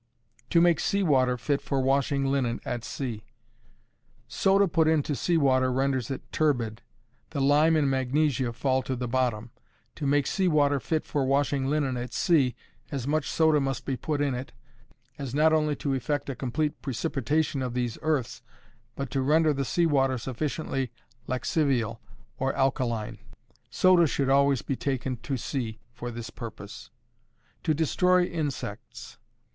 To make Sea water fit for Washing Linen at Sea. Soda put into sea water renders it turbid; the lime and magnesia fall to the bottom. To make sea water fit for washing linen at sea, as much soda must be put in it, as not only to effect a complete precipitation of these earths, but to render the sea water sufficiently laxivial or alkaline. Soda should always be taken to sea for this purpose. _To Destroy Insects.